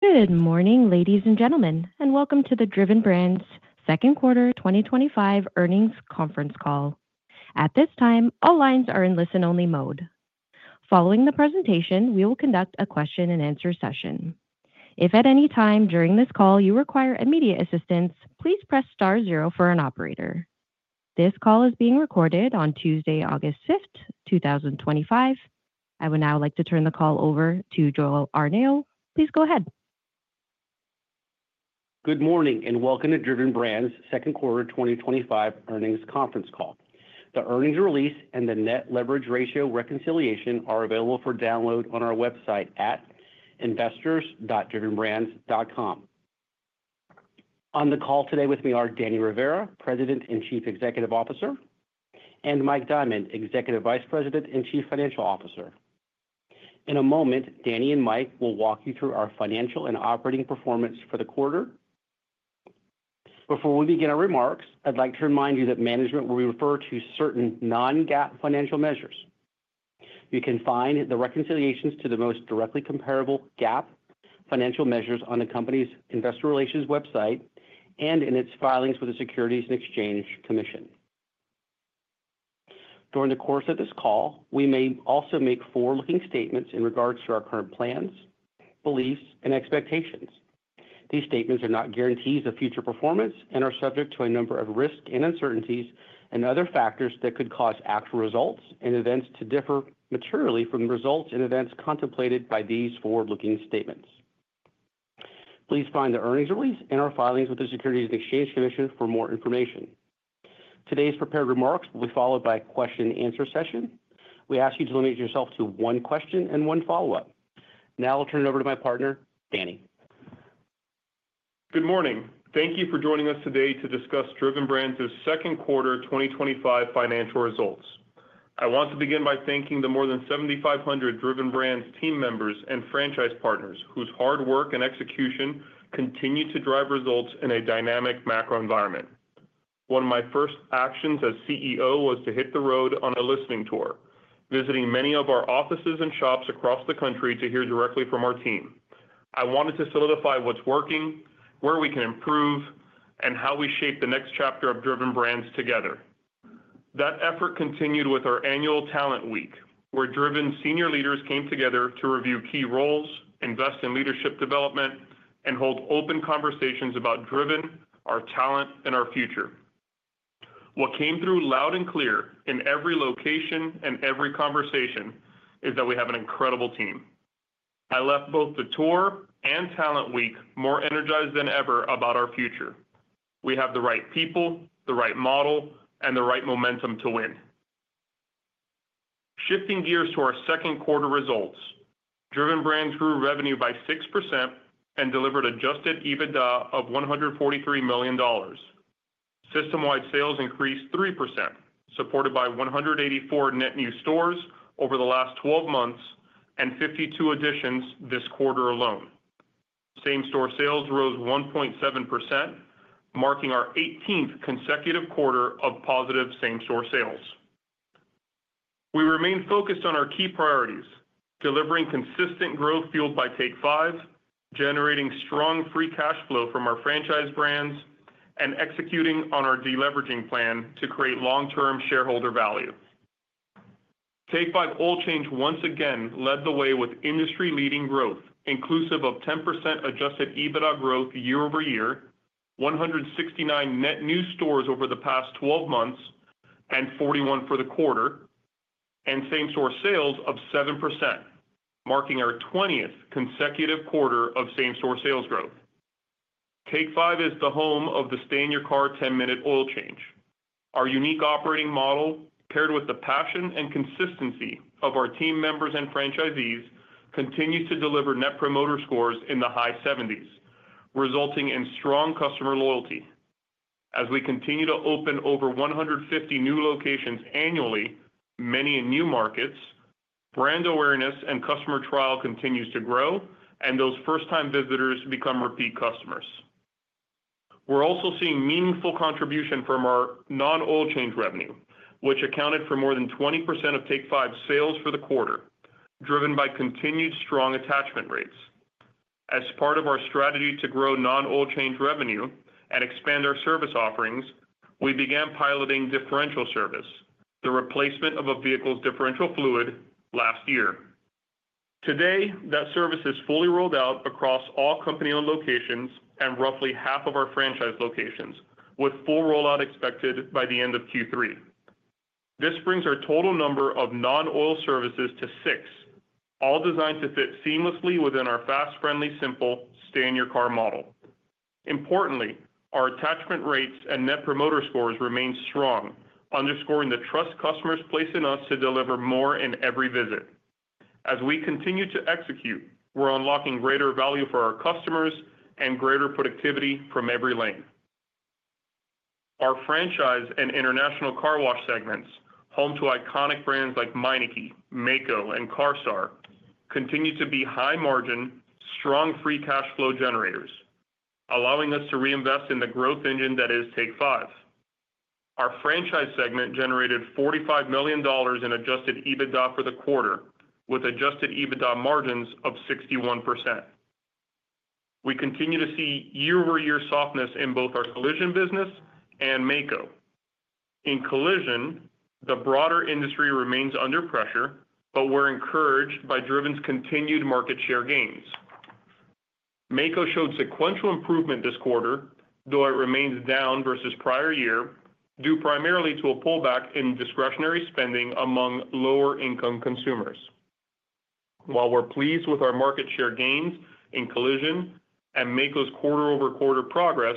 Good morning, ladies and gentlemen, and welcome to the Driven Brands Second Quarter 2025 Earnings Conference Call. At this time, all lines are in listen-only mode. Following the presentation, we will conduct a question-and-answer session. If at any time during this call you require immediate assistance, please press star zero for an operator. This call is being recorded on Tuesday, August 5, 2025. I would now like to turn the call over to Joel Arnao. Please go ahead. Good morning and welcome to Driven Brands' Second Quarter 2025 Earnings Conference Call. The earnings release and the net leverage ratio reconciliation are available for download on our website at investors.drivenbrands.com. On the call today with me are Danny Rivera, President and Chief Executive Officer, and Mike Diamond, Executive Vice President and Chief Financial Officer. In a moment, Danny and Mike will walk you through our financial and operating performance for the quarter. Before we begin our remarks, I'd like to remind you that management will refer to certain non-GAAP financial measures. You can find the reconciliations to the most directly comparable GAAP financial measures on the company's investor relations website and in its filings with the Securities and Exchange Commission. During the course of this call, we may also make forward-looking statements in regards to our current plans, beliefs, and expectations. These statements are not guarantees of future performance and are subject to a number of risks and uncertainties and other factors that could cause actual results and events to differ materially from results and events contemplated by these forward-looking statements. Please find the earnings release and our filings with the Securities and Exchange Commission for more information. Today's prepared remarks will be followed by a question-and-answer session. We ask you to limit yourself to one question and one follow-up. Now I'll turn it over to my partner, Danny. Good morning. Thank you for joining us today to discuss Driven Brands' second quarter 2025 financial results. I want to begin by thanking the more than 7,500 Driven Brands team members and franchise partners whose hard work and execution continue to drive results in a dynamic macro environment. One of my first actions as CEO was to hit the road on a listening tour, visiting many of our offices and shops across the country to hear directly from our team. I wanted to solidify what's working, where we can improve, and how we shape the next chapter of Driven Brands together. That effort continued with our annual Talent Week, where Driven senior leaders came together to review key roles, invest in leadership development, and hold open conversations about Driven, our talent, and our future. What came through loud and clear in every location and every conversation is that we have an incredible team. I left both the tour and Talent Week more energized than ever about our future. We have the right people, the right model, and the right momentum to win. Shifting gears to our second quarter results, Driven Brands grew revenue by 6% and delivered adjusted EBITDA of $143 million. System-wide sales increased 3%, supported by 184 net new stores over the last 12 months and 52 additions this quarter alone. Same-store sales rose 1.7%, marking our 18th consecutive quarter of positive same-store sales. We remain focused on our key priorities, delivering consistent growth fueled by Take 5, generating strong free cash flow from our franchise brands, and executing on our deleveraging plan to create long-term shareholder value. Take 5 Oil Change once again led the way with industry-leading growth, inclusive of 10% adjusted EBITDA growth year-over-year, 169 net new stores over the past 12 months, and 41 for the quarter, and same-store sales of 7%, marking our 20th consecutive quarter of same-store sales growth. Take 5 is the home of the stay-in-your-car 10-minute oil change. Our unique operating model, paired with the passion and consistency of our team members and franchisees, continues to deliver net promoter scores in the high 70s, resulting in strong customer loyalty. As we continue to open over 150 new locations annually, many in new markets, brand awareness and customer trial continues to grow, and those first-time visitors become repeat customers. We're also seeing meaningful contribution from our non-oil change revenue, which accounted for more than 20% of Take 5's sales for the quarter, driven by continued strong attachment rates. As part of our strategy to grow non-oil change revenue and expand our service offerings, we began piloting differential service, the replacement of a vehicle's differential fluid, last year. Today, that service is fully rolled out across all company-owned locations and roughly half of our franchise locations, with full rollout expected by the end of Q3. This brings our total number of non-oil services to six, all designed to fit seamlessly within our fast, friendly, simple stay-in-your-car model. Importantly, our attachment rates and net promoter score remain strong, underscoring the trust customers place in us to deliver more in every visit. As we continue to execute, we're unlocking greater value for our customers and greater productivity from every lane. Our franchise and international car wash segments, home to iconic brands like Meineke, Maaco, and CARSTAR, continue to be high-margin, strong free cash flow generators, allowing us to reinvest in the growth engine that is Take 5. Our franchise segment generated $45 million in adjusted EBITDA for the quarter, with adjusted EBITDA margins of 61%. We continue to see year-over-year softness in both our collision business and Maaco. In collision, the broader industry remains under pressure, but we're encouraged by Driven's continued market share gains. Maaco showed sequential improvement this quarter, though it remains down versus prior year, due primarily to a pullback in discretionary spending among lower-income consumers. While we're pleased with our market share gains in collision and Maaco's quarter-over-quarter progress,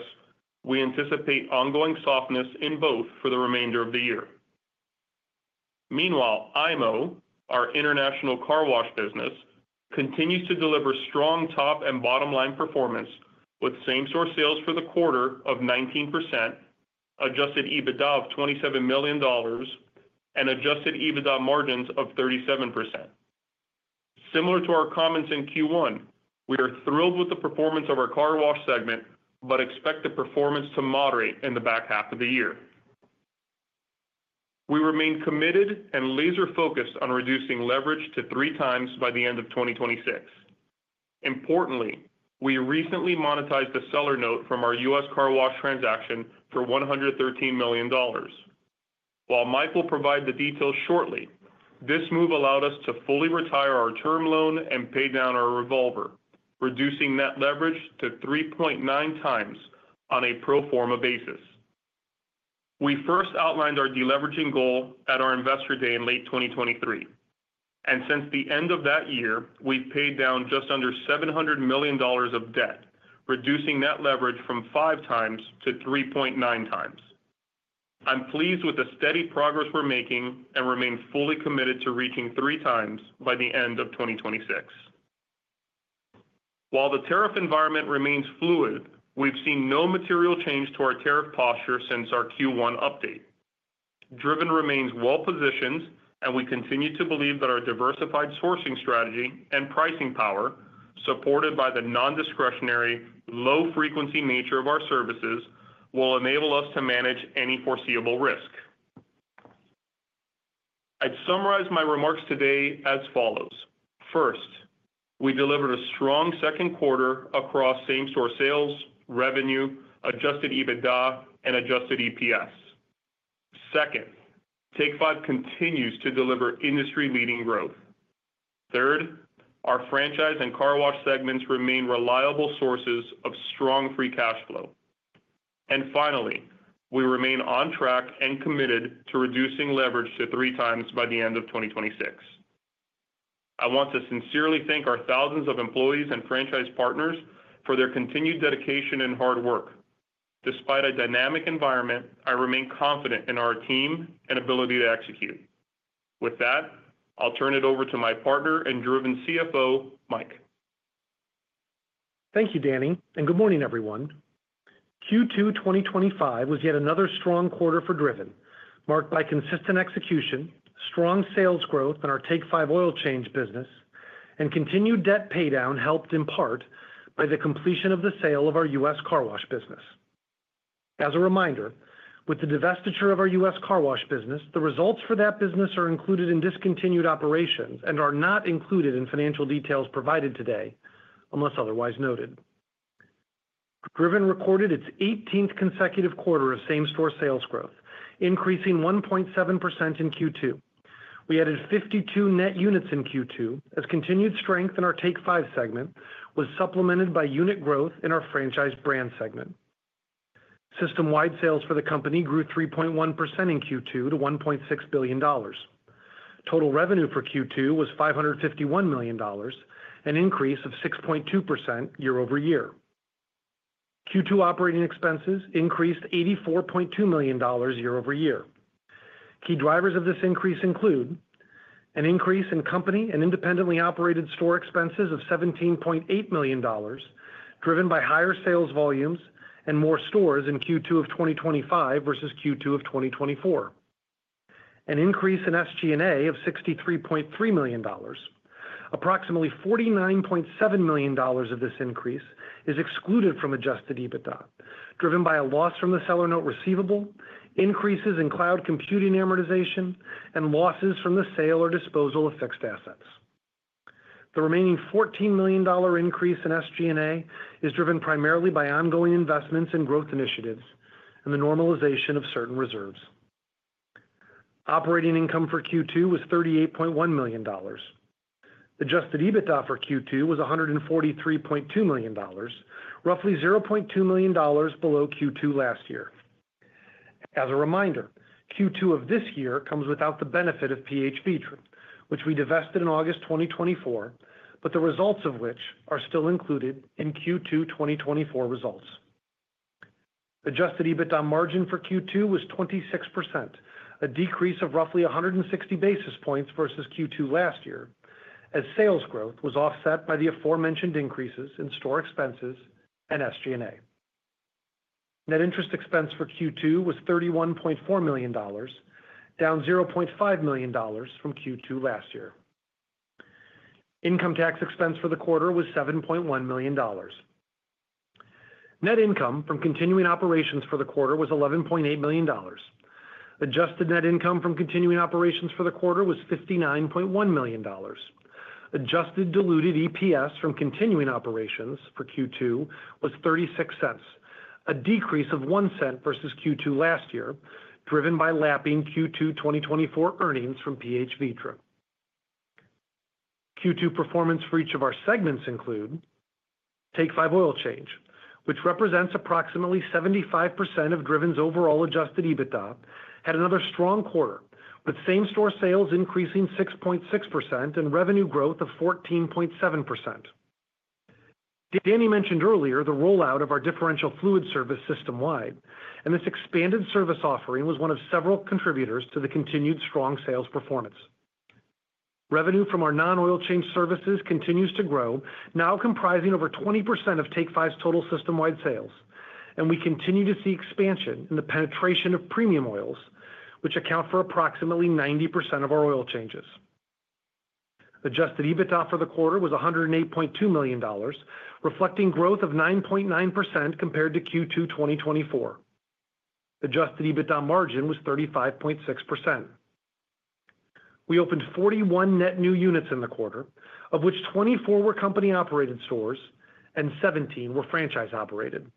we anticipate ongoing softness in both for the remainder of the year. Meanwhile, IMO, our international car wash business, continues to deliver strong top and bottom line performance, with same-store sales for the quarter of 19%, adjusted EBITDA of $27 million, and adjusted EBITDA margins of 37%. Similar to our comments in Q1, we are thrilled with the performance of our car wash segment, but expect the performance to moderate in the back half of the year. We remain committed and laser-focused on reducing leverage to 3x by the end of 2026. Importantly, we recently monetized the seller note from our U.S. car wash transaction for $113 million. While Mike will provide the details shortly, this move allowed us to fully retire our term loan and pay down our revolver, reducing net leverage to 3.9x on a pro forma basis. We first outlined our deleveraging goal at our investor day in late 2023, and since the end of that year, we've paid down just under $700 million of debt, reducing net leverage from 5x-3.9x. I'm pleased with the steady progress we're making and remain fully committed to reaching 3x by the end of 2026. While the tariff environment remains fluid, we've seen no material change to our tariff posture since our Q1 update. Driven remains well-positioned, and we continue to believe that our diversified sourcing strategy and pricing power, supported by the non-discretionary, low-frequency nature of our services, will enable us to manage any foreseeable risk. I'd summarize my remarks today as follows. First, we delivered a strong second quarter across same-store sales, revenue, adjusted EBITDA, and adjusted EPS. Second, Take 5 continues to deliver industry-leading growth. Third, our franchise and car wash segments remain reliable sources of strong free cash flow. Finally, we remain on track and committed to reducing leverage to 3x by the end of 2026. I want to sincerely thank our thousands of employees and franchise partners for their continued dedication and hard work. Despite a dynamic environment, I remain confident in our team and ability to execute. With that, I'll turn it over to my partner and Driven CFO, Mike. Thank you, Danny, and good morning, everyone. Q2 2025 was yet another strong quarter for Driven, marked by consistent execution, strong sales growth in our Take 5 Oil Change business, and continued debt paydown helped, in part, by the completion of the sale of our U.S. car wash business. As a reminder, with the divestiture of our U.S. car wash business, the results for that business are included in discontinued operations and are not included in financial details provided today, unless otherwise noted. Driven recorded its 18th consecutive quarter of same-store sales growth, increasing 1.7% in Q2. We added 52 net units in Q2 as continued strength in our Take 5 segment was supplemented by unit growth in our franchise brand segment. System-wide sales for the company grew 3.1% in Q2 to $1.6 billion. Total revenue for Q2 was $551 million, an increase of 6.2% year-over-year. Q2 operating expenses increased $84.2 million year-over-year. Key drivers of this increase include an increase in company and independently operated store expenses of $17.8 million, driven by higher sales volumes and more stores in Q2 2025 versus Q2 2024. An increase in SG&A of $63.3 million. Approximately $49.7 million of this increase is excluded from adjusted EBITDA, driven by a loss from the seller note receivable, increases in cloud computing amortization, and losses from the sale or disposal of fixed assets. The remaining $14 million increase in SG&A is driven primarily by ongoing investments in growth initiatives and the normalization of certain reserves. Operating income for Q2 was $38.1 million. Adjusted EBITDA for Q2 was $143.2 million, roughly $0.2 million below Q2 last year. As a reminder, Q2 of this year comes without the benefit of PH Vitres, which we divested in August 2024, but the results of which are still included in Q2 2024 results. Adjusted EBITDA margin for Q2 was 26%, a decrease of roughly 160 basis points versus Q2 last year, as sales growth was offset by the aforementioned increases in store expenses and SG&A. Net interest expense for Q2 was $31.4 million, down $0.5 million from Q2 last year. Income tax expense for the quarter was $7.1 million. Net income from continuing operations for the quarter was $11.8 million. Adjusted net income from continuing operations for the quarter was $59.1 million. Adjusted diluted EPS from continuing operations for Q2 was $0.36, a decrease of $0.01 versus Q2 last year, driven by lapping Q2 2024 earnings from PH Vitres. Q2 performance for each of our segments includes Take 5 Oil Change, which represents approximately 75% of Driven's overall adjusted EBITDA, had another strong quarter, with same-store sales increasing 6.6% and revenue growth of 14.7%. Danny mentioned earlier the rollout of our differential fluid service system-wide, and this expanded service offering was one of several contributors to the continued strong sales performance. Revenue from our non-oil change services continues to grow, now comprising over 20% of Take 5's total system-wide sales, and we continue to see expansion in the penetration of premium oils, which account for approximately 90% of our oil changes. Adjusted EBITDA for the quarter was $108.2 million, reflecting growth of 9.9% compared to Q2 2024. Adjusted EBITDA margin was 35.6%. We opened 41 net new units in the quarter, of which 24 were company-operated stores and 17 were franchise-operated.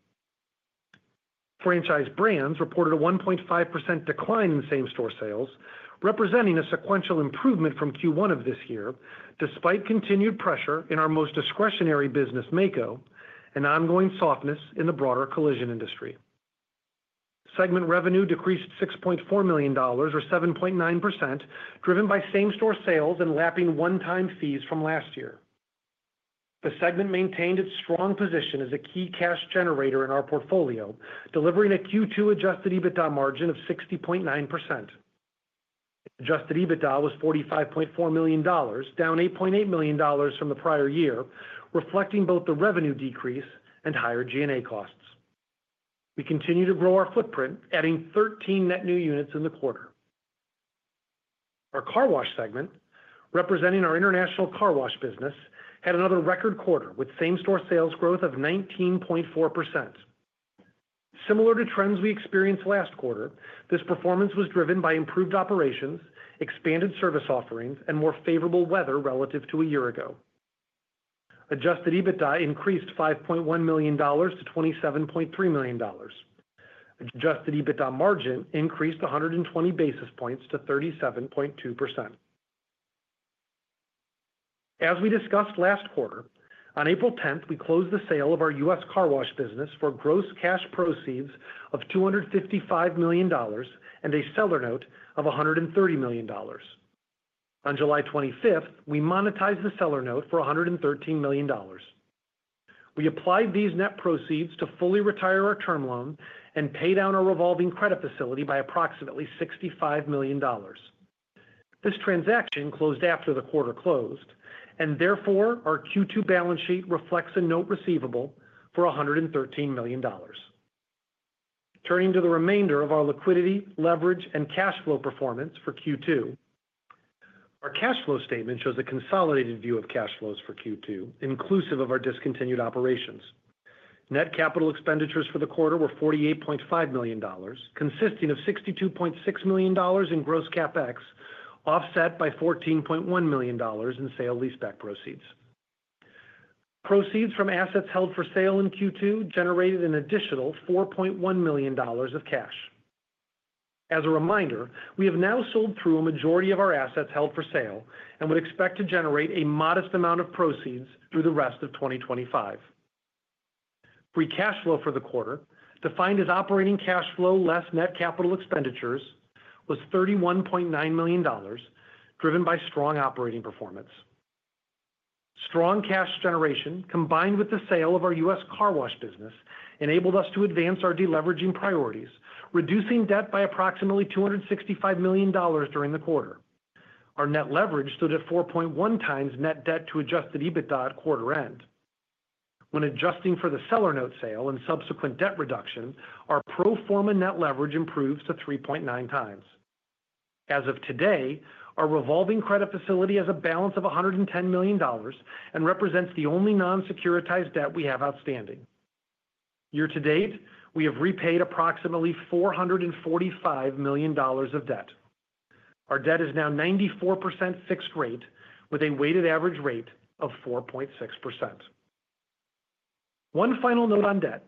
Franchise brands reported a 1.5% decline in same-store sales, representing a sequential improvement from Q1 of this year, despite continued pressure in our most discretionary business, Maaco, and ongoing softness in the broader collision industry. Segment revenue decreased $6.4 million, or 7.9%, driven by same-store sales and lapping one-time fees from last year. The segment maintained its strong position as a key cash generator in our portfolio, delivering a Q2 adjusted EBITDA margin of 60.9%. Adjusted EBITDA was $45.4 million, down $8.8 million from the prior year, reflecting both the revenue decrease and higher G&A costs. We continue to grow our footprint, adding 13 net new units in the quarter. Our car wash segment, representing our international car wash business, had another record quarter with same-store sales growth of 19.4%. Similar to trends we experienced last quarter, this performance was driven by improved operations, expanded service offerings, and more favorable weather relative to a year ago. Adjusted EBITDA increased $5.1 million to $27.3 million. Adjusted EBITDA margin increased 120 basis points to 37.2%. As we discussed last quarter, on April 10, we closed the sale of our U.S. car wash business for gross cash proceeds of $255 million and a seller note of $130 million. On July 25th, we monetized the seller note for $113 million. We applied these net proceeds to fully retire our term loan and pay down a revolving credit facility by approximately $65 million. This transaction closed after the quarter closed, and therefore our Q2 balance sheet reflects a note receivable for $113 million. Turning to the remainder of our liquidity, leverage, and cash flow performance for Q2. Our cash flow statement shows a consolidated view of cash flows for Q2, inclusive of our discontinued operations. Net capital expenditures for the quarter were $48.5 million, consisting of $62.6 million in gross CapEx, offset by $14.1 million in sale leaseback proceeds. Proceeds from assets held for sale in Q2 generated an additional $4.1 million of cash. As a reminder, we have now sold through a majority of our assets held for sale and would expect to generate a modest amount of proceeds through the rest of 2025. Free cash flow for the quarter, defined as operating cash flow less net capital expenditures, was $31.9 million, driven by strong operating performance. Strong cash generation, combined with the sale of our U.S. car wash business, enabled us to advance our deleveraging priorities, reducing debt by approximately $265 million during the quarter. Our net leverage stood at 4.1x net debt to adjusted EBITDA at quarter end. When adjusting for the seller note sale and subsequent debt reduction, our pro forma net leverage improved to 3.9x. As of today, our revolving credit facility has a balance of $110 million and represents the only non-securitized debt we have outstanding. Year to date, we have repaid approximately $445 million of debt. Our debt is now 94% fixed rate, with a weighted average rate of 4.6%. One final note on debt.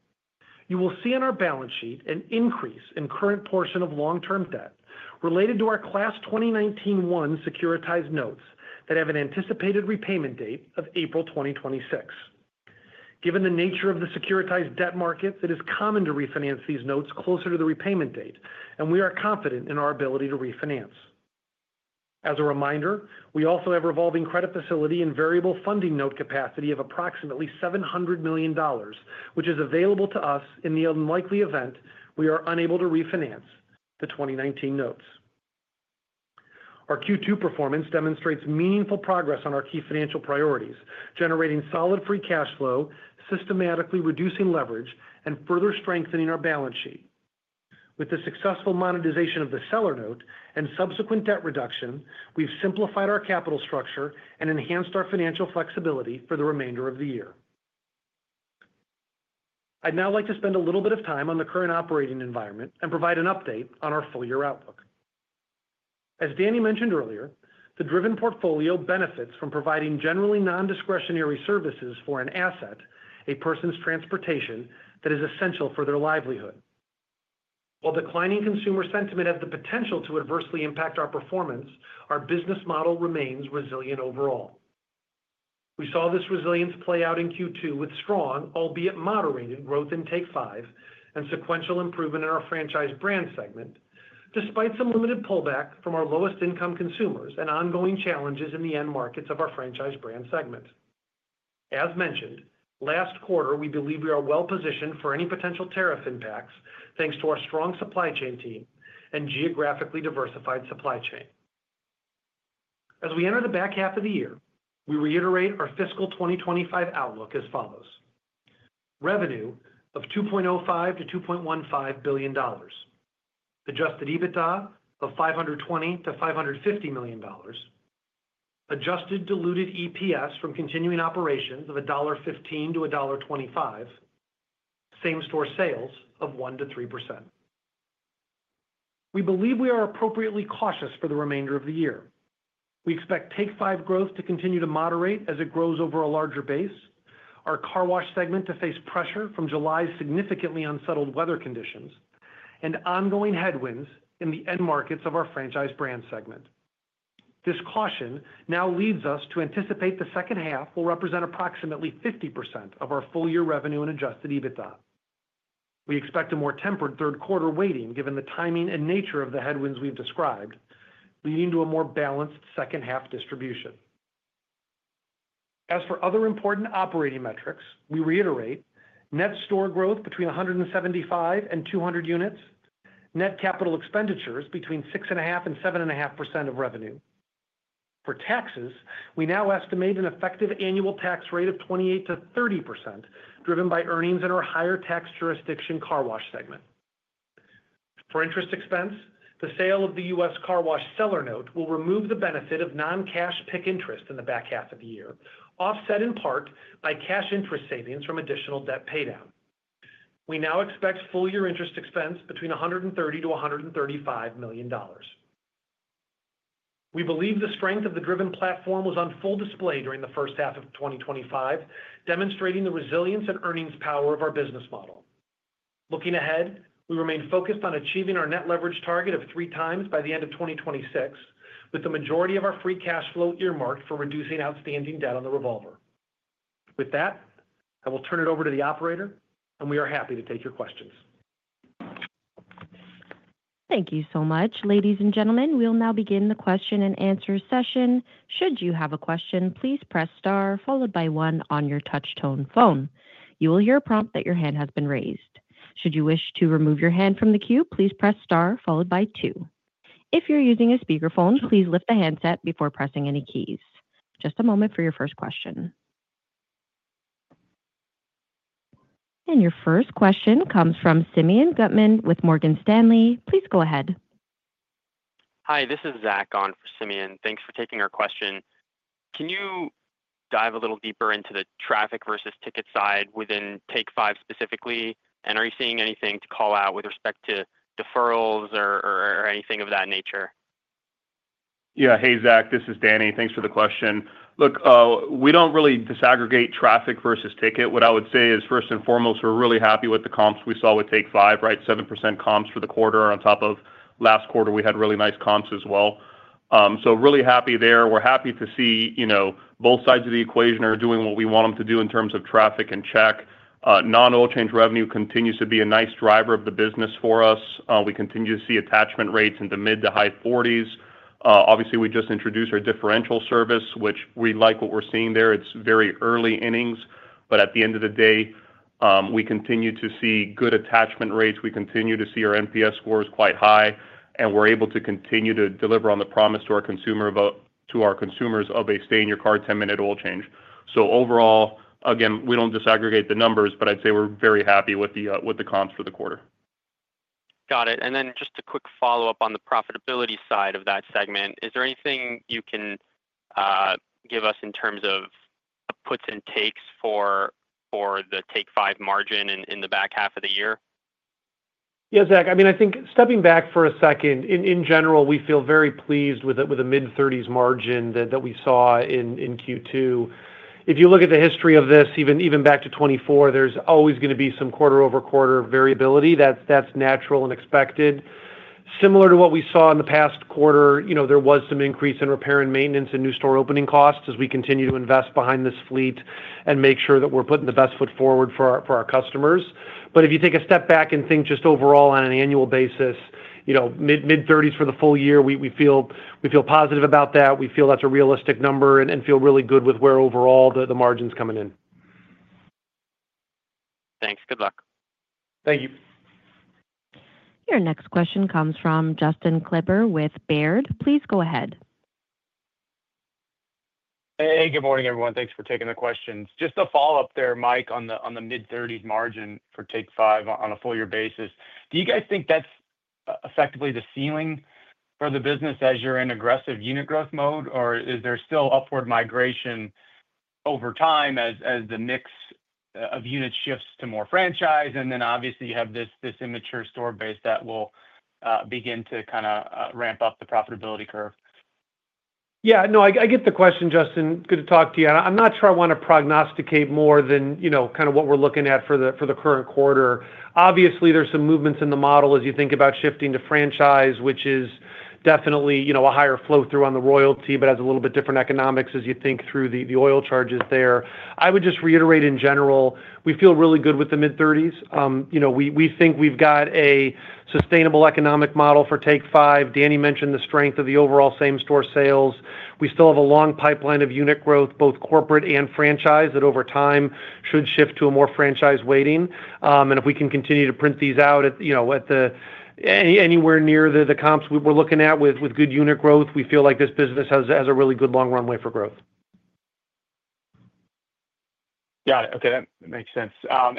You will see on our balance sheet an increase in current portion of long-term debt related to our Class 2019-1 securitized notes that have an anticipated repayment date of April 2026. Given the nature of the securitized debt market, it is common to refinance these notes closer to the repayment date, and we are confident in our ability to refinance. As a reminder, we also have a revolving credit facility and variable funding note capacity of approximately $700 million, which is available to us in the unlikely event we are unable to refinance the 2019 notes. Our Q2 performance demonstrates meaningful progress on our key financial priorities, generating solid free cash flow, systematically reducing leverage, and further strengthening our balance sheet. With the successful monetization of the seller note and subsequent debt reduction, we've simplified our capital structure and enhanced our financial flexibility for the remainder of the year. I'd now like to spend a little bit of time on the current operating environment and provide an update on our full-year outlook. As Danny mentioned earlier, the Driven portfolio benefits from providing generally non-discretionary services for an asset, a person's transportation, that is essential for their livelihood. While declining consumer sentiment has the potential to adversely impact our performance, our business model remains resilient overall. We saw this resilience play out in Q2 with strong, albeit moderated, growth in Take 5 and sequential improvement in our franchise brand segment, despite some limited pullback from our lowest-income consumers and ongoing challenges in the end markets of our franchise brand segment. As mentioned last quarter, we believe we are well-positioned for any potential tariff impacts, thanks to our strong supply chain team and geographically diversified supply chain. As we enter the back half of the year, we reiterate our fiscal 2025 outlook as follows: revenue of $2.05 billion- $2.15 billion, adjusted EBITDA of $520 million-$550 million, adjusted diluted EPS from continuing operations of $1.15-$1.25, same-store sales of 1%-3%. We believe we are appropriately cautious for the remainder of the year. We expect Take 5 growth to continue to moderate as it grows over a larger base, our car wash segment to face pressure from July's significantly unsettled weather conditions, and ongoing headwinds in the end markets of our franchise brand segment. This caution now leads us to anticipate the second half will represent approximately 50% of our full-year revenue and adjusted EBITDA. We expect a more tempered third quarter weighting, given the timing and nature of the headwinds we've described, leading to a more balanced second half distribution. As for other important operating metrics, we reiterate net store growth between 175 and 200 units, net capital expenditures between 6.5% and 7.5% of revenue. For taxes, we now estimate an effective annual tax rate of 28%-30%, driven by earnings in our higher tax jurisdiction car wash segment. For interest expense, the sale of the U.S. car wash seller note will remove the benefit of non-cash PIK interest in the back half of the year, offset in part by cash interest savings from additional debt paydown. We now expect full-year interest expense between $130 million-$135 million. We believe the strength of the Driven platform was on full display during the first half of 2025, demonstrating the resilience and earnings power of our business model. Looking ahead, we remain focused on achieving our net leverage target of 3x by the end of 2026, with the majority of our free cash flow earmarked for reducing outstanding debt on the revolver. With that, I will turn it over to the operator, and we are happy to take your questions. Thank you so much, ladies and gentlemen. We'll now begin the question-and-answer session. Should you have a question, please press star followed by one on your touch-tone phone. You will hear a prompt that your hand has been raised. Should you wish to remove your hand from the queue, please press star followed by two. If you're using a speakerphone, please lift the handset before pressing any keys. Just a moment for your first question. Your first question comes from Simeon Gutman with Morgan Stanley. Please go ahead. Hi, this is Zach on for Simeon. Thanks for taking our question. Can you dive a little deeper into the traffic versus ticket side within Take 5 specifically? Are you seeing anything to call out with respect to deferrals or anything of that nature? Yeah. Hey, Zach, this is Danny. Thanks for the question. Look, we don't really disaggregate traffic versus ticket. What I would say is, first and foremost, we're really happy with the comps we saw with Take 5, right? 7% comps for the quarter, on top of last quarter, we had really nice comps as well. Really happy there. We're happy to see both sides of the equation are doing what we want them to do in terms of traffic and check. Non-oil change revenue continues to be a nice driver of the business for us. We continue to see attachment rates in the mid to high 40%. Obviously, we just introduced our differential service, which we like what we're seeing there. It's very early innings, but at the end of the day, we continue to see good attachment rates. We continue to see our net promoter score quite high, and we're able to continue to deliver on the promise to our consumers of a stay-in-your-car 10-minute oil change. Overall, again, we don't disaggregate the numbers, but I'd say we're very happy with the comps for the quarter. Got it. Just a quick follow-up on the profitability side of that segment. Is there anything you can give us in terms of puts and takes for the Take 5 margin in the back half of the year? Yeah, Zach, I mean, I think stepping back for a second, in general, we feel very pleased with a mid-30s% margin that we saw in Q2. If you look at the history of this, even back to 2024, there's always going to be some quarter-over-quarter variability. That's natural and expected. Similar to what we saw in the past quarter, there was some increase in repair and maintenance and new store opening costs as we continue to invest behind this fleet and make sure that we're putting the best foot forward for our customers. If you take a step back and think just overall on an annual basis, mid-30s% for the full year, we feel positive about that. We feel that's a realistic number and feel really good with where overall the margin's coming in. Thanks. Good luck. Thank you. Your next question comes from Justin Kleber with Baird. Please go ahead. Hey, good morning, everyone. Thanks for taking the questions. Just a follow-up there, Mike, on the mid-30s% margin for Take 5 on a full-year basis. Do you guys think that's effectively the ceiling for the business as you're in aggressive unit growth mode, or is there still upward migration over time as the mix of units shifts to more franchise? Obviously, you have this immature store base that will begin to kind of ramp up the profitability curve. Yeah, no, I get the question, Justin. Good to talk to you. I'm not sure I want to prognosticate more than what we're looking at for the current quarter. Obviously, there's some movements in the model as you think about shifting to franchise, which is definitely a higher flow-through on the royalty, but has a little bit different economics as you think through the oil charges there. I would just reiterate, in general, we feel really good with the mid-30s%. We think we've got a sustainable economic model for Take 5. Danny mentioned the strength of the overall same-store sales. We still have a long pipeline of unit growth, both corporate and franchise, that over time should shift to a more franchise weighting. If we can continue to print these out at anywhere near the comps we're looking at with good unit growth, we feel like this business has a really good long runway for growth. Got it. Okay, that makes sense. On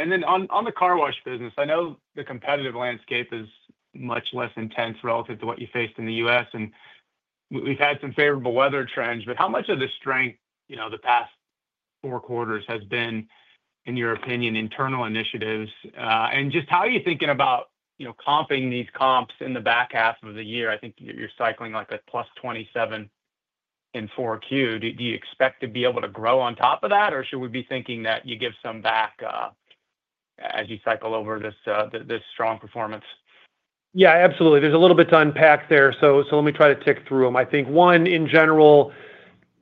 the car wash business, I know the competitive landscape is much less intense relative to what you faced in the U.S., and we've had some favorable weather trends. How much of the strength the past four quarters has been, in your opinion, internal initiatives? How are you thinking about comping these comps in the back half of the year? I think you're cycling like a +27% in 4Q. Do you expect to be able to grow on top of that, or should we be thinking that you give some back as you cycle over this strong performance? Yeah, absolutely. There's a little bit to unpack there. Let me try to tick through them. I think one, in general,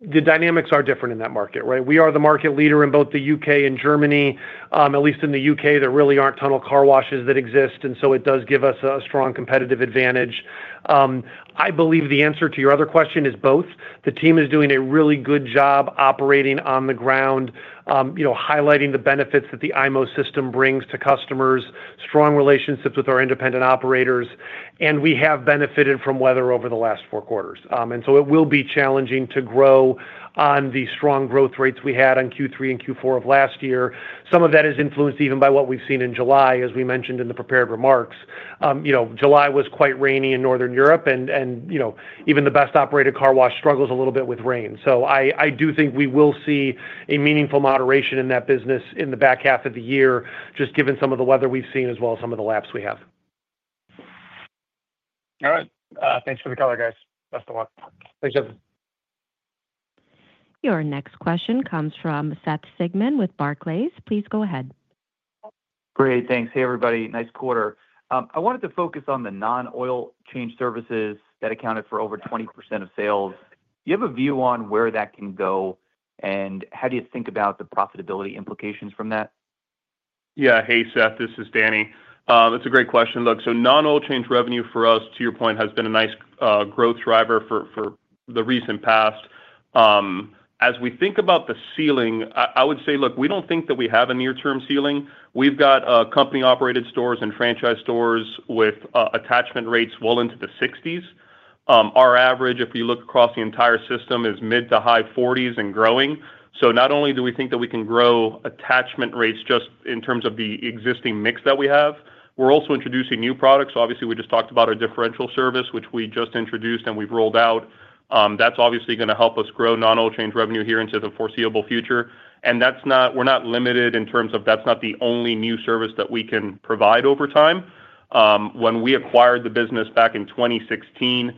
the dynamics are different in that market, right? We are the market leader in both the U.K. and Germany. At least in the U.K., there really aren't tunnel car washes that exist, and it does give us a strong competitive advantage. I believe the answer to your other question is both. The team is doing a really good job operating on the ground, highlighting the benefits that the IMO system brings to customers, strong relationships with our independent operators. We have benefited from weather over the last four quarters, and it will be challenging to grow on the strong growth rates we had in Q3 and Q4 of last year. Some of that is influenced even by what we've seen in July, as we mentioned in the prepared remarks. July was quite rainy in Northern Europe, and even the best operated car wash struggles a little bit with rain. I do think we will see a meaningful moderation in that business in the back half of the year, just given some of the weather we've seen as well as some of the laps we have. All right. Thanks for the color, guys. Best of luck. Thanks, Justin. Your next question comes from Seth Sigman with Barclays. Please go ahead. Great, thanks. Hey, everybody. Nice quarter. I wanted to focus on the non-oil change services that accounted for over 20% of sales. Do you have a view on where that can go, and how do you think about the profitability implications from that? Yeah. Hey, Seth. This is Danny. That's a great question. Look, non-oil change revenue for us, to your point, has been a nice growth driver for the recent past. As we think about the ceiling, I would say, look, we don't think that we have a near-term ceiling. We've got company-operated stores and franchise stores with attachment rates well into the 60s%. Our average, if you look across the entire system, is mid to high 40s% and growing. Not only do we think that we can grow attachment rates just in terms of the existing mix that we have, we're also introducing new products. Obviously, we just talked about our differential service, which we just introduced and we've rolled out. That's obviously going to help us grow non-oil change revenue here into the foreseeable future. We're not limited in terms of that's not the only new service that we can provide over time. When we acquired the business back in 2016,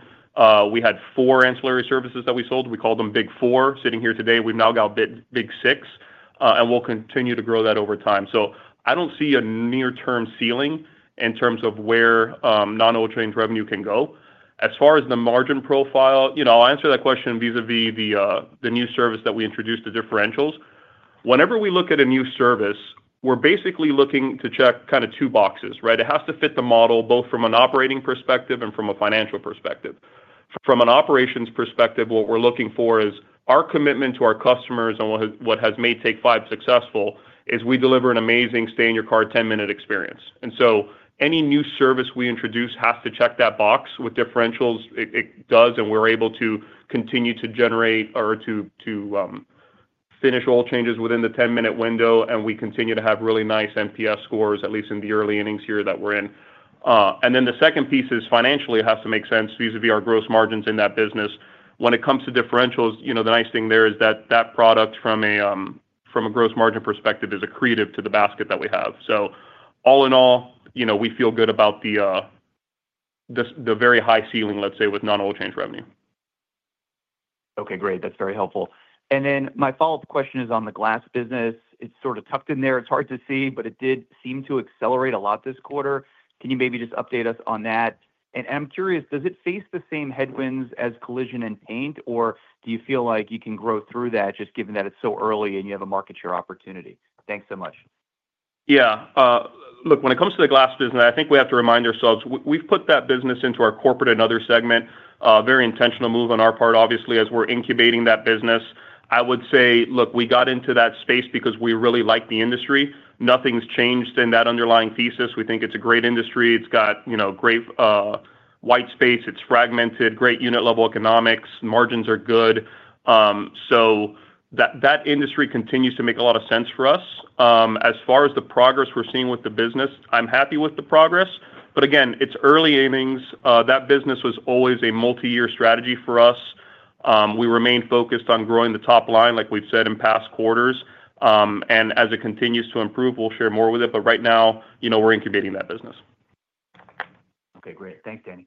we had four ancillary services that we sold. We called them Big Four. Sitting here today, we've now got Big Six, and we'll continue to grow that over time. I don't see a near-term ceiling in terms of where non-oil change revenue can go. As far as the margin profile, I'll answer that question vis-à-vis the new service that we introduced, the differential. Whenever we look at a new service, we're basically looking to check kind of two boxes, right? It has to fit the model both from an operating perspective and from a financial perspective. From an operations perspective, what we're looking for is our commitment to our customers and what has made Take 5 successful is we deliver an amazing stay-in-your-car 10-minute experience. Any new service we introduce has to check that box. With differentials, it does, and we're able to continue to generate or to finish oil changes within the 10-minute window, and we continue to have really nice net promoter scores, at least in the early innings here that we're in. The second piece is financially, it has to make sense vis-à-vis our gross margins in that business. When it comes to differentials, the nice thing there is that that product from a gross margin perspective is accretive to the basket that we have. All in all, we feel good about the very high ceiling, let's say, with non-oil change revenue. Okay, great. That's very helpful. My follow-up question is on the glass business. It's sort of tucked in there. It's hard to see, but it did seem to accelerate a lot this quarter. Can you maybe just update us on that? I'm curious, does it face the same headwinds as collision and paint, or do you feel like you can grow through that just given that it's so early and you have a market share opportunity? Thanks so much. Yeah. Look, when it comes to the glass business, I think we have to remind ourselves we've put that business into our corporate and other segment, a very intentional move on our part, obviously, as we're incubating that business. I would say, look, we got into that space because we really like the industry. Nothing's changed in that underlying thesis. We think it's a great industry. It's got great white space. It's fragmented, great unit-level economics, margins are good. That industry continues to make a lot of sense for us. As far as the progress we're seeing with the business, I'm happy with the progress. Again, it's early innings. That business was always a multi-year strategy for us. We remain focused on growing the top line, like we've said in past quarters. As it continues to improve, we'll share more with it. Right now, we're incubating that business. Okay, great. Thanks, Danny.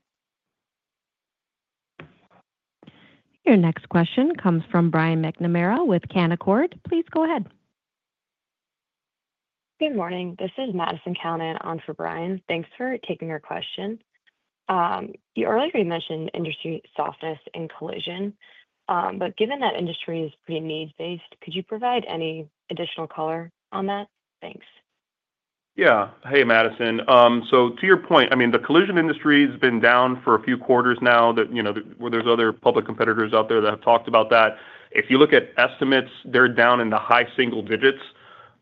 Your next question comes from Brian McNamara with Canaccord. Please go ahead. Good morning. This is Madison Callinan on for Brian. Thanks for taking our question. You earlier mentioned industry softness in collision, but given that industry is pretty need-based, could you provide any additional color on that? Thanks. Yeah. Hey, Madison. To your point, the collision industry has been down for a few quarters now. There are other public competitors out there that have talked about that. If you look at estimates, they're down in the high single digits.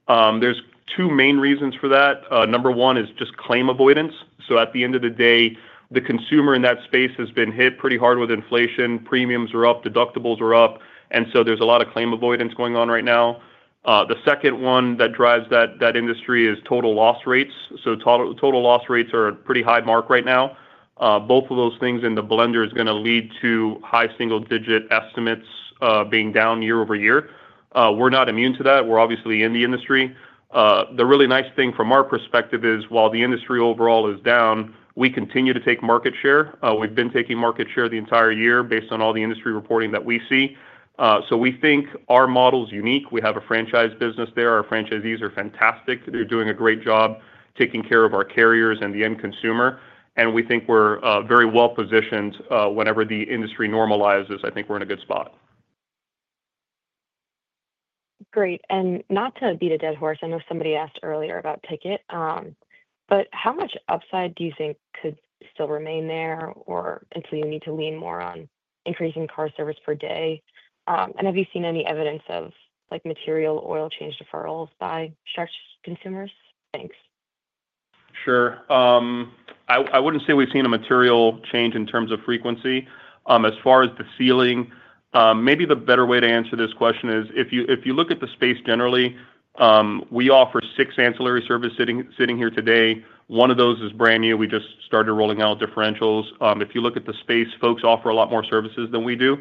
There are two main reasons for that. Number one is just claim avoidance. At the end of the day, the consumer in that space has been hit pretty hard with inflation. Premiums are up, deductibles are up. There is a lot of claim avoidance going on right now. The second one that drives that industry is total loss rates. Total loss rates are a pretty high mark right now. Both of those things in the blender are going to lead to high single-digit estimates being down year-over-year. We're not immune to that. We're obviously in the industry. The really nice thing from our perspective is while the industry overall is down, we continue to take market share. We've been taking market share the entire year based on all the industry reporting that we see. We think our model is unique. We have a franchise business there. Our franchisees are fantastic. They're doing a great job taking care of our carriers and the end consumer. We think we're very well positioned whenever the industry normalizes. I think we're in a good spot. Great. Not to beat a dead horse, I know somebody asked earlier about ticket, but how much upside do you think could still remain there until you need to lean more on increasing car service per day? Have you seen any evidence of material oil change deferrals by stretched consumers? Thanks. Sure. I wouldn't say we've seen a material change in terms of frequency. As far as the ceiling, maybe the better way to answer this question is if you look at the space generally, we offer six ancillary services sitting here today. One of those is brand new. We just started rolling out differentials. If you look at the space, folks offer a lot more services than we do.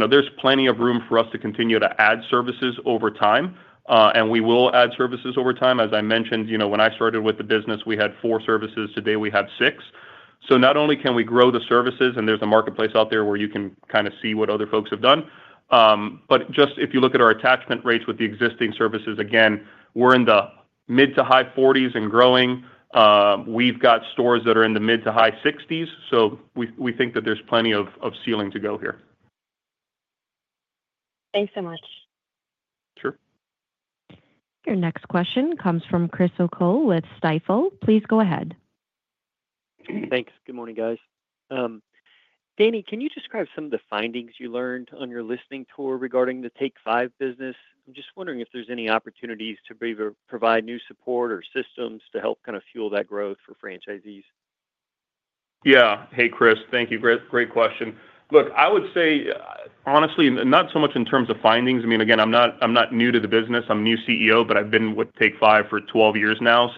There's plenty of room for us to continue to add services over time, and we will add services over time. As I mentioned, when I started with the business, we had four services. Today, we have six. Not only can we grow the services, and there's a marketplace out there where you can kind of see what other folks have done, but just if you look at our attachment rates with the existing services, again, we're in the mid to high 40s% and growing. We've got stores that are in the mid to high 60s%. We think that there's plenty of ceiling to go here. Thanks so much. Sure. Your next question comes from Chris O'Cull with Stifel. Please go ahead. Thanks. Good morning, guys. Danny, can you describe some of the findings you learned on your listening tour regarding the Take 5 business? I'm just wondering if there's any opportunities to provide new support or systems to help kind of fuel that growth for franchisees. Yeah. Hey, Chris. Thank you. Great question. Look, I would say, honestly, not so much in terms of findings. I mean, again, I'm not new to the business. I'm new CEO, but I've been with Take 5 for 12 years now.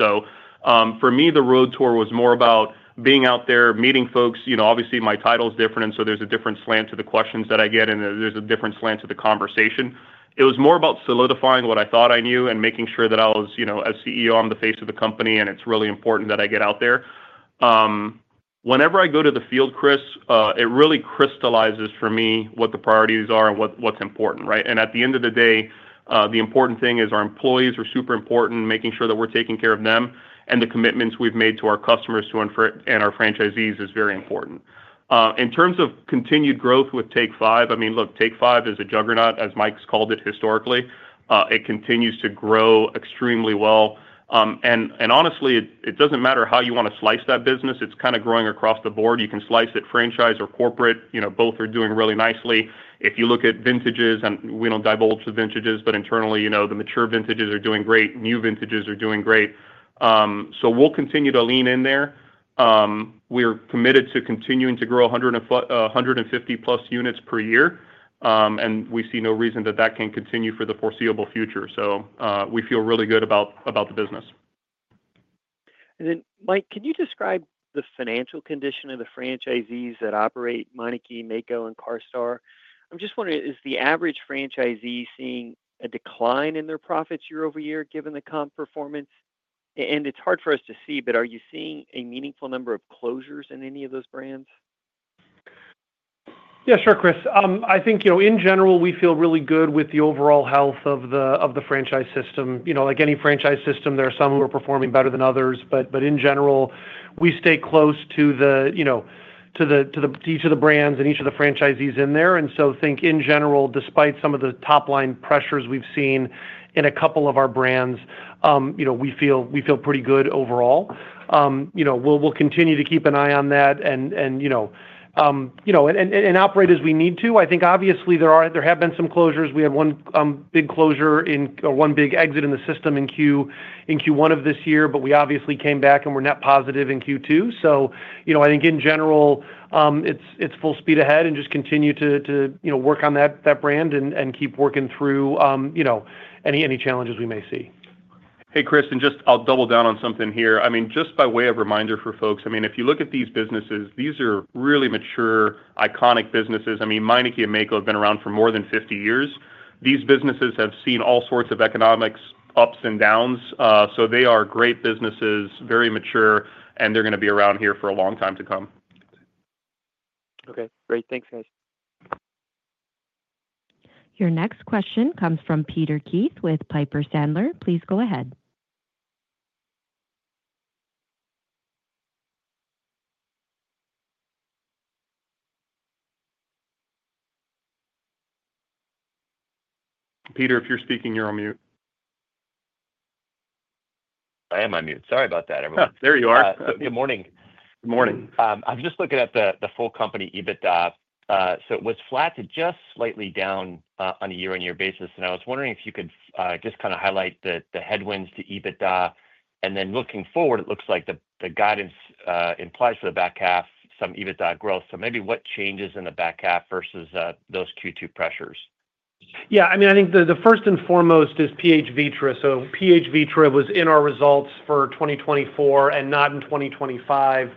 For me, the road tour was more about being out there, meeting folks. Obviously, my title is different, and there's a different slant to the questions that I get, and there's a different slant to the conversation. It was more about solidifying what I thought I knew and making sure that I was, you know, as CEO, I'm the face of the company, and it's really important that I get out there. Whenever I go to the field, Chris, it really crystallizes for me what the priorities are and what's important, right? At the end of the day, the important thing is our employees are super important, making sure that we're taking care of them, and the commitments we've made to our customers and our franchisees are very important. In terms of continued growth with Take 5, I mean, look, Take 5 is a juggernaut, as Mike's called it historically. It continues to grow extremely well. Honestly, it doesn't matter how you want to slice that business. It's kind of growing across the board. You can slice it franchise or corporate. Both are doing really nicely. If you look at vintages, and we don't divulge the vintages, but internally, you know, the mature vintages are doing great. New vintages are doing great. We'll continue to lean in there. We're committed to continuing to grow 150+ units per year. We see no reason that that can't continue for the foreseeable future. We feel really good about the business. Mike, can you describe the financial condition of the franchisees that operate Meineke, Maaco, and CARSTAR? I'm just wondering, is the average franchisee seeing a decline in their profits year-over-year, given the comp performance? It's hard for us to see, but are you seeing a meaningful number of closures in any of those brands? Yeah, sure, Chris. I think, you know, in general, we feel really good with the overall health of the franchise system. Like any franchise system, there are some who are performing better than others. In general, we stay close to each of the brands and each of the franchisees in there. I think in general, despite some of the top-line pressures we've seen in a couple of our brands, we feel pretty good overall. We'll continue to keep an eye on that and operate as we need to. I think obviously there have been some closures. We had one big closure or one big exit in the system in Q1 of this year, but we obviously came back and were net positive in Q2. I think in general, it's full speed ahead and just continue to work on that brand and keep working through any challenges we may see. Hey, Chris, and I'll double down on something here. Just by way of reminder for folks, if you look at these businesses, these are really mature, iconic businesses. I mean, Meineke and Maaco have been around for more than 50 years. These businesses have seen all sorts of economic ups and downs. They are great businesses, very mature, and they're going to be around here for a long time to come. Okay, great. Thanks, guys. Your next question comes from Peter Keith with Piper Sandler. Please go ahead. Peter, if you're speaking, you're on mute. I am on mute. Sorry about that. There you are. Good morning. Good morning. I was just looking at the full company EBITDA. It was flat to just slightly down on a year-on-year basis. I was wondering if you could just kind of highlight the headwinds to EBITDA. Looking forward, it looks like the guidance implies for the back half some EBITDA growth. Maybe what changes in the back half versus those Q2 pressures? Yeah, I mean, I think the first and foremost is PH Vitres. PH Vitres was in our results for 2024 and not in 2025.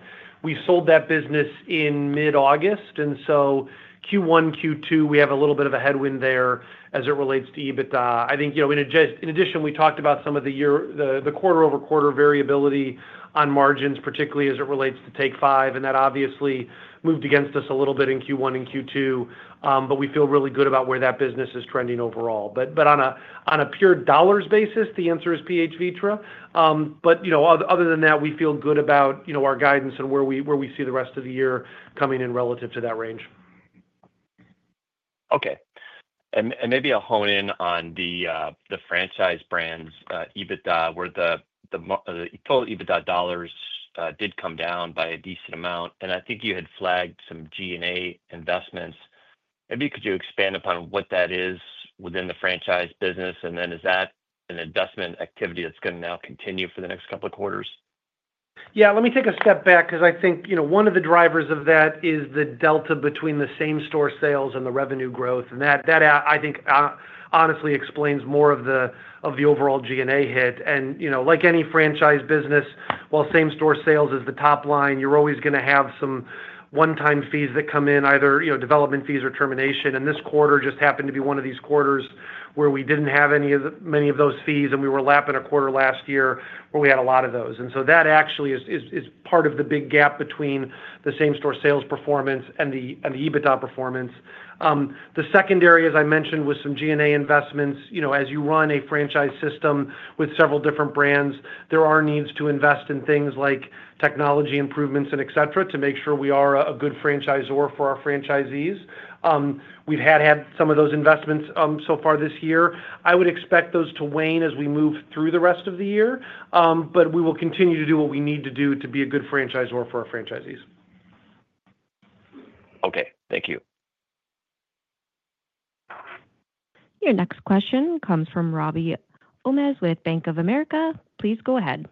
We sold that business in mid-August, and Q1, Q2, we have a little bit of a headwind there as it relates to EBITDA. In addition, we talked about some of the quarter-over-quarter variability on margins, particularly as it relates to Take 5. That obviously moved against us a little bit in Q1 and Q2. We feel really good about where that business is trending overall. On a pure dollars basis, the answer is PH Vitres. Other than that, we feel good about our guidance and where we see the rest of the year coming in relative to that range. Okay. Maybe I'll hone in on the franchise brand's EBITDA, where the total EBITDA dollars did come down by a decent amount. I think you had flagged some G&A investments. Could you expand upon what that is within the franchise business? Is that an investment activity that's going to now continue for the next couple of quarters? Yeah, let me take a step back because I think one of the drivers of that is the delta between the same-store sales and the revenue growth. That, I think, honestly explains more of the overall G&A hit. Like any franchise business, while same-store sales is the top line, you're always going to have some one-time fees that come in, either development fees or termination. This quarter just happened to be one of these quarters where we didn't have any of many of those fees. We were lapping a quarter last year where we had a lot of those. That actually is part of the big gap between the same-store sales performance and the EBITDA performance. The secondary, as I mentioned, was some G&A investments. As you run a franchise system with several different brands, there are needs to invest in things like technology improvements, et cetera, to make sure we are a good franchisor for our franchisees. We've had some of those investments so far this year. I would expect those to wane as we move through the rest of the year. We will continue to do what we need to do to be a good franchisor for our franchisees. Okay, thank you. Your next question comes from Robby Ohmes with Bank of America. Please go ahead.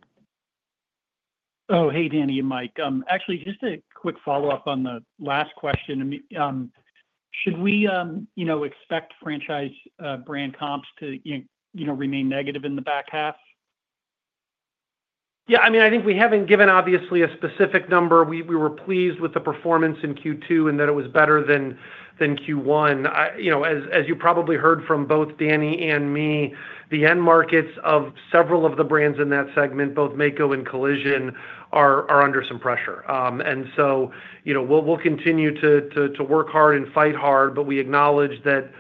Oh, hey, Danny and Mike. Actually, just a quick follow-up on the last question. Should we expect franchise brand comps to remain negative in the back half? Yeah, I mean, I think we haven't given obviously a specific number. We were pleased with the performance in Q2 and that it was better than Q1. As you probably heard from both Danny and me, the end markets of several of the brands in that segment, both Maaco and collision, are under some pressure. We'll continue to work hard and fight hard, but we acknowledge that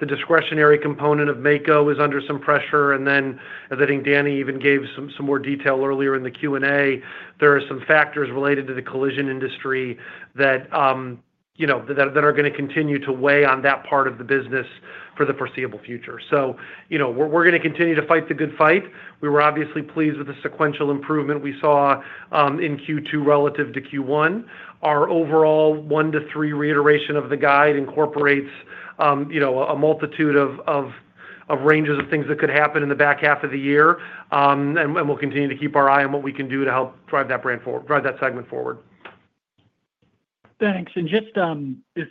the discretionary component of Maaco is under some pressure. I think Danny even gave some more detail earlier in the Q&A. There are some factors related to the collision industry that are going to continue to weigh on that part of the business for the foreseeable future. We're going to continue to fight the good fight. We were obviously pleased with the sequential improvement we saw in Q2 relative to Q1. Our overall one-to-three reiteration of the guide incorporates a multitude of ranges of things that could happen in the back half of the year. We'll continue to keep our eye on what we can do to help drive that brand forward, drive that segment forward. Thanks. Is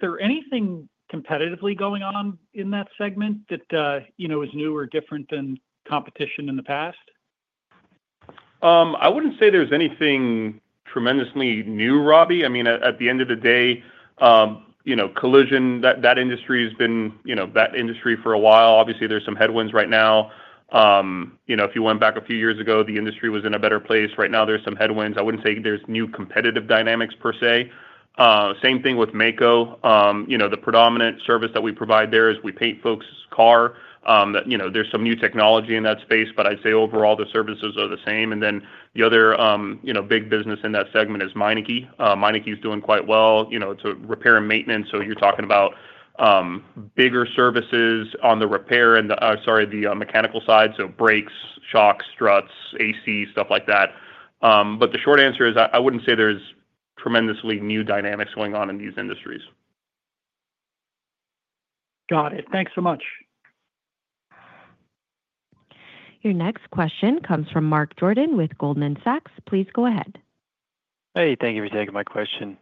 there anything competitively going on in that segment that is new or different than competition in the past? I wouldn't say there's anything tremendously new, Robby. At the end of the day, collision, that industry has been that industry for a while. Obviously, there's some headwinds right now. If you went back a few years ago, the industry was in a better place. Right now, there's some headwinds. I wouldn't say there's new competitive dynamics per se. Same thing with Maaco. The predominant service that we provide there is we paint folks' car. There's some new technology in that space, but I'd say overall the services are the same. The other big business in that segment is Meineke. Meineke is doing quite well. It's repair and maintenance. You're talking about bigger services on the repair and the mechanical side, so brakes, shocks, struts, AC, stuff like that. The short answer is I wouldn't say there's tremendously new dynamics going on in these industries. Got it. Thanks so much. Your next question comes from Mark Jordan with Goldman Sachs. Please go ahead. Thank you for taking my question.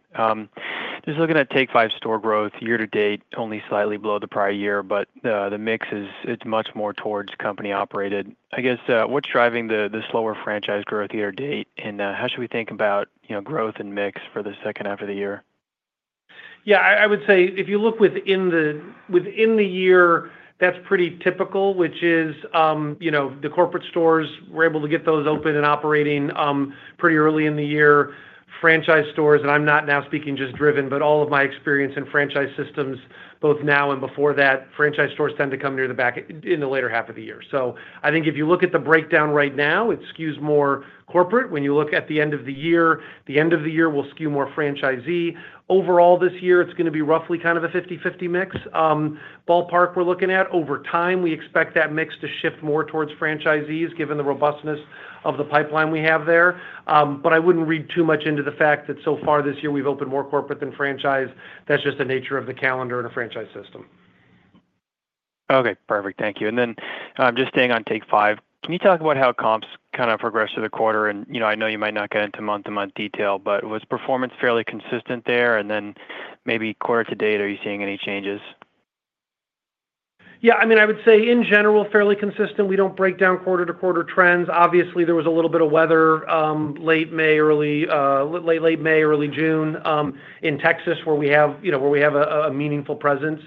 Just looking at Take 5's store growth year to date, only slightly below the prior year, but the mix is much more towards company operated. I guess what's driving the slower franchise growth year to date? How should we think about growth and mix for the second half of the year? Yeah, I would say if you look within the year, that's pretty typical, which is, you know, the corporate stores, we're able to get those open and operating pretty early in the year. Franchise stores, and I'm not now speaking just Driven, but all of my experience in franchise systems, both now and before that, franchise stores tend to come near the back in the later half of the year. I think if you look at the breakdown right now, it skews more corporate. When you look at the end of the year, the end of the year will skew more franchisee. Overall this year, it's going to be roughly kind of a 50/50 mix ballpark we're looking at. Over time, we expect that mix to shift more towards franchisees, given the robustness of the pipeline we have there. I wouldn't read too much into the fact that so far this year we've opened more corporate than franchise. That's just the nature of the calendar and a franchise system. Okay, perfect. Thank you. Just staying on Take 5, can you talk about how comps kind of progressed through the quarter? I know you might not get into month-to-month detail, but was performance fairly consistent there? Maybe quarter to date, are you seeing any changes? Yeah, I mean, I would say in general, fairly consistent. We don't break down quarter-to-quarter trends. Obviously, there was a little bit of weather late May, early June in Texas where we have a meaningful presence.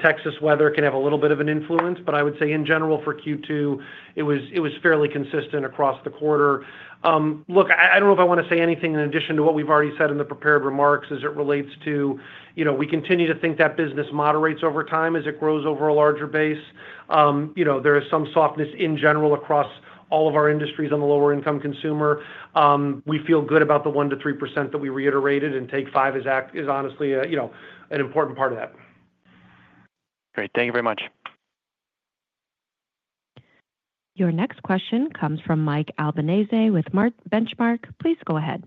Texas weather can have a little bit of an influence. I would say in general for Q2, it was fairly consistent across the quarter. I don't know if I want to say anything in addition to what we've already said in the prepared remarks as it relates to, you know, we continue to think that business moderates over time as it grows over a larger base. There is some softness in general across all of our industries on the lower-income consumer. We feel good about the 1%-3% that we reiterated, and Take 5 is honestly, you know, an important part of that. Great, thank you very much. Your next question comes from Mike Albanese with [Mart] Benchmark. Please go ahead.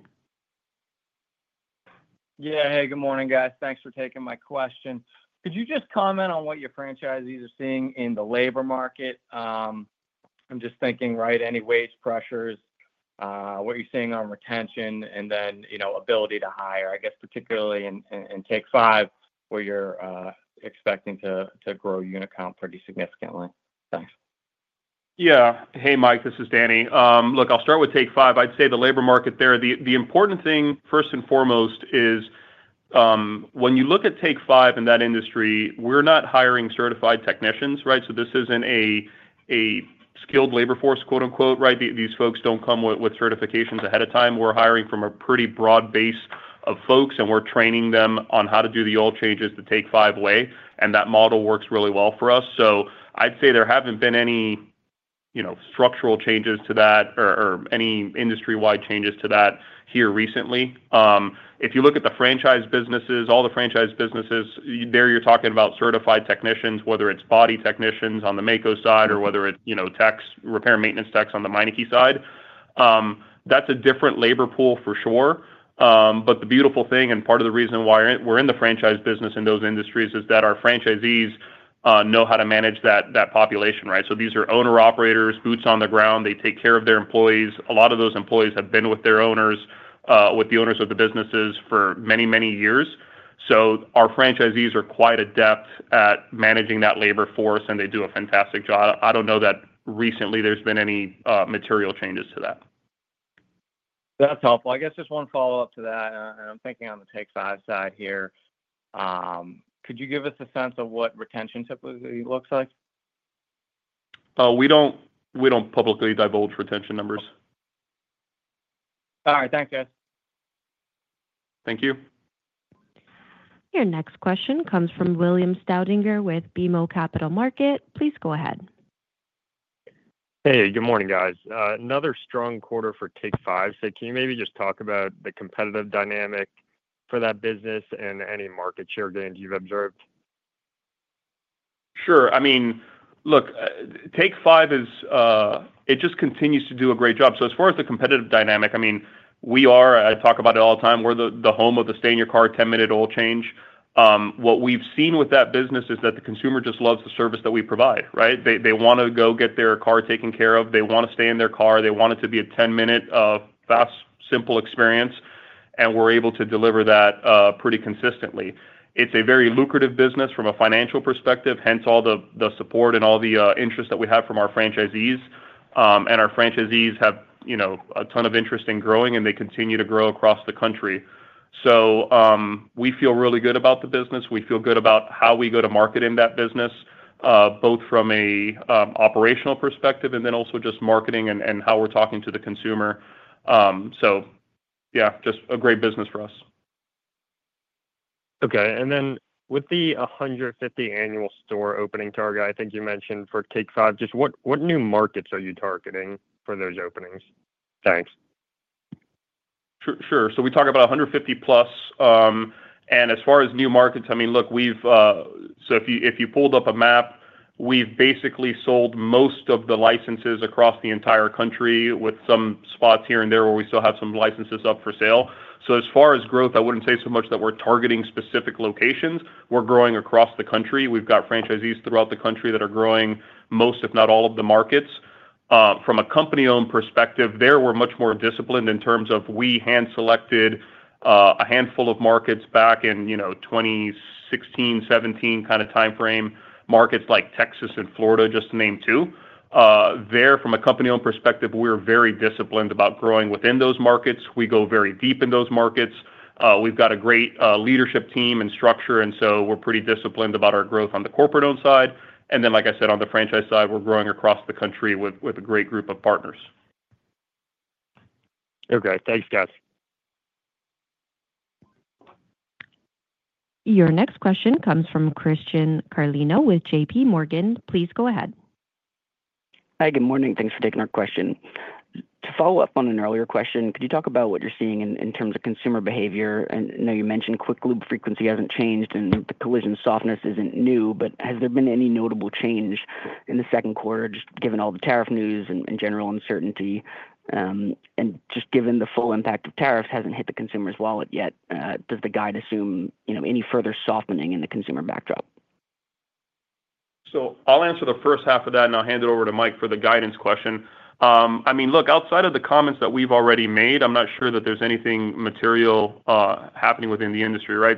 Yeah. Hey, good morning, guys. Thanks for taking my question. Could you just comment on what your franchisees are seeing in the labor market? I'm just thinking, right, any wage pressures? What are you seeing on retention and then, you know, ability to hire, I guess, particularly in Take 5, where you're expecting to grow unit count pretty significantly? Thanks. Yeah. Hey, Mike. This is Danny. Look, I'll start with Take 5. I'd say the labor market there, the important thing first and foremost is when you look at Take 5 in that industry, we're not hiring certified technicians, right? This isn't a skilled labor force, quote unquote, right? These folks don't come with certifications ahead of time. We're hiring from a pretty broad base of folks, and we're training them on how to do the oil changes the Take 5 way. That model works really well for us. I'd say there haven't been any structural changes to that or any industry-wide changes to that here recently. If you look at the franchise businesses, all the franchise businesses, there you're talking about certified technicians, whether it's body technicians on the Maaco side or whether it's, you know, techs, repair and maintenance techs on the Meineke side. That's a different labor pool for sure. The beautiful thing, and part of the reason why we're in the franchise business in those industries is that our franchisees know how to manage that population, right? These are owner-operators, boots on the ground. They take care of their employees. A lot of those employees have been with their owners, with the owners of the businesses for many, many years. Our franchisees are quite adept at managing that labor force, and they do a fantastic job. I don't know that recently there's been any material changes to that. That's helpful. I guess just one follow-up to that, and I'm thinking on the Take 5 side here. Could you give us a sense of what retention typically looks like? Oh, we don't publicly divulge retention numbers. All right. Thanks, guys. Thank you. Your next question comes from William Staudinger with BMO Capital Markets. Please go ahead. Hey, good morning, guys. Another strong quarter for Take 5. Can you maybe just talk about the competitive dynamic for that business and any market share gains you've observed? Sure. I mean, look, Take 5 is, it just continues to do a great job. As far as the competitive dynamic, I mean, we are, I talk about it all the time, we're the home of the stay-in-your-car 10-minute oil change. What we've seen with that business is that the consumer just loves the service that we provide, right? They want to go get their car taken care of. They want to stay in their car. They want it to be a 10-minute fast, simple experience. We're able to deliver that pretty consistently. It's a very lucrative business from a financial perspective, hence all the support and all the interest that we have from our franchisees. Our franchisees have a ton of interest in growing, and they continue to grow across the country. We feel really good about the business. We feel good about how we go to market in that business, both from an operational perspective and then also just marketing and how we're talking to the consumer. Yeah, just a great business for us. Okay. With the 150 annual store opening target, I think you mentioned for Take 5, just what new markets are you targeting for those openings? Thanks. Sure. We talk about 150+. As far as new markets, if you pulled up a map, we've basically sold most of the licenses across the entire country, with some spots here and there where we still have some licenses up for sale. As far as growth, I wouldn't say so much that we're targeting specific locations. We're growing across the country. We've got franchisees throughout the country that are growing most, if not all, of the markets. From a company-owned perspective, we're much more disciplined in terms of we hand-selected a handful of markets back in 2016, 2017 kind of timeframe, markets like Texas and Florida, just to name two. From a company-owned perspective, we're very disciplined about growing within those markets. We go very deep in those markets. We've got a great leadership team and structure, and we're pretty disciplined about our growth on the corporate-owned side. On the franchise side, we're growing across the country with a great group of partners. Okay, thanks, guys. Your next question comes from Christian Carlino with JPMorgan. Please go ahead. Hi, good morning. Thanks for taking our question. To follow up on an earlier question, could you talk about what you're seeing in terms of consumer behavior? I know you mentioned quick lube frequency hasn't changed and the collision softness isn't new, but has there been any notable change in the second quarter, just given all the tariff news and general uncertainty? Just given the full impact of tariffs hasn't hit the consumer's wallet yet, does the guide assume any further softening in the consumer backdrop? I'll answer the first half of that, and I'll hand it over to Mike for the guidance question. Look, outside of the comments that we've already made, I'm not sure that there's anything material happening within the industry, right?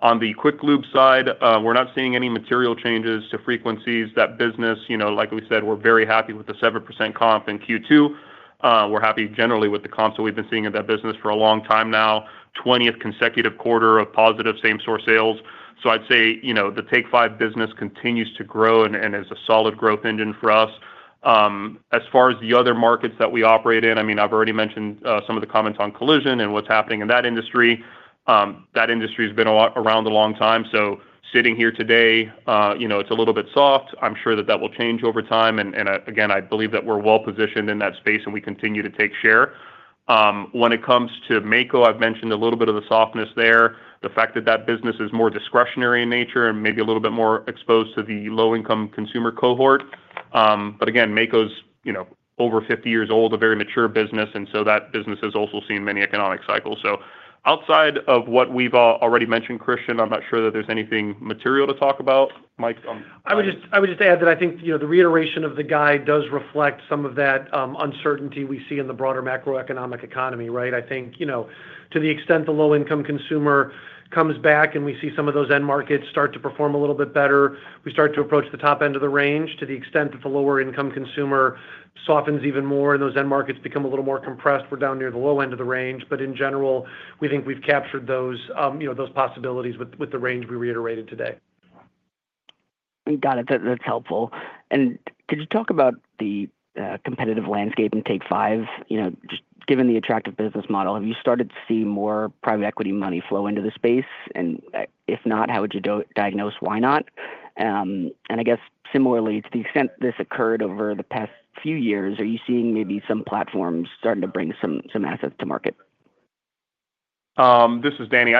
On the quick lube side, we're not seeing any material changes to frequencies. That business, like we said, we're very happy with the 7% comp in Q2. We're happy generally with the comps that we've been seeing in that business for a long time now. 20th consecutive quarter of positive same-store sales. I'd say the Take 5 business continues to grow and is a solid growth engine for us. As far as the other markets that we operate in, I've already mentioned some of the comments on collision and what's happening in that industry. That industry has been around a long time. Sitting here today, it's a little bit soft. I'm sure that will change over time. Again, I believe that we're well positioned in that space and we continue to take share. When it comes to Maaco, I've mentioned a little bit of the softness there, the fact that that business is more discretionary in nature and maybe a little bit more exposed to the low-income consumer cohort. Again, Maaco's over 50 years old, a very mature business. That business has also seen many economic cycles. Outside of what we've already mentioned, Christian, I'm not sure that there's anything material to talk about. Mike? I would just add that I think the reiteration of the guide does reflect some of that uncertainty we see in the broader macroeconomic economy, right? I think to the extent the low-income consumer comes back and we see some of those end markets start to perform a little bit better, we start to approach the top end of the range. To the extent that the low-income consumer softens even more and those end markets become a little more compressed, we're down near the low end of the range. In general, we think we've captured those possibilities with the range we reiterated today. Got it. That's helpful. Could you talk about the competitive landscape in Take 5? You know, just given the attractive business model, have you started to see more private equity money flow into the space? If not, how would you diagnose why not? Similarly, to the extent this occurred over the past few years, are you seeing maybe some platforms starting to bring some assets to market? This is Danny.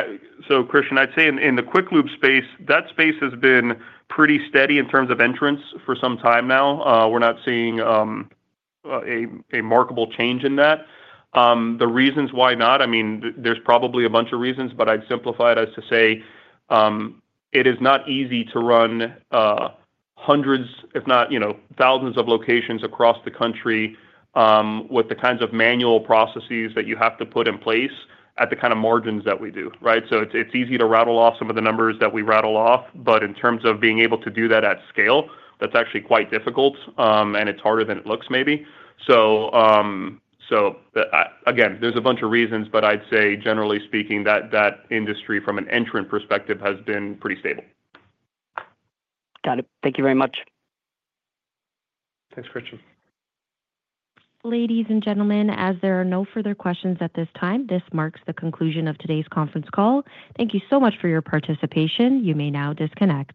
Christian, I'd say in the quick lube space, that space has been pretty steady in terms of entrants for some time now. We're not seeing a markable change in that. The reasons why not, I mean, there's probably a bunch of reasons, but I'd simplify it as to say it is not easy to run hundreds, if not thousands, of locations across the country with the kinds of manual processes that you have to put in place at the kind of margins that we do, right? It's easy to rattle off some of the numbers that we rattle off, but in terms of being able to do that at scale, that's actually quite difficult and it's harder than it looks maybe. There are a bunch of reasons, but I'd say generally speaking, that industry from an entrant perspective has been pretty stable. Got it. Thank you very much. Thanks, Christian. Ladies and gentlemen, as there are no further questions at this time, this marks the conclusion of today's conference call. Thank you so much for your participation. You may now disconnect.